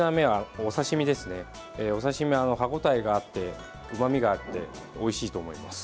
お刺身は歯ごたえがあってうまみがあっておいしいと思います。